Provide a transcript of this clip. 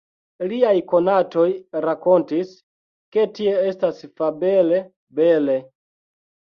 Iliaj konatoj rakontis, ke tie estas fabele bele.